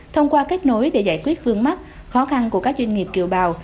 thông qua kết nối để giải quyết vương mắc khó khăn của các doanh nghiệp kiều bào